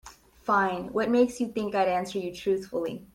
Fine, what makes you think I'd answer you truthfully?